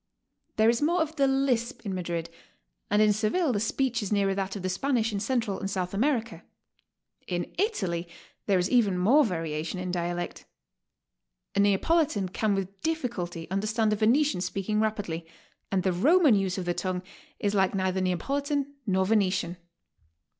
There is more of the lisp in Madrid, and in Seville the speedh is nearer that of the Spanish in Central and South America. In Italy there is even more variation in dialect. A Neapolitan can wdth difficulty understand a Venetian speaking rapidly, and the Roman use of the tongue is like neither Neapolitan nor Venetian.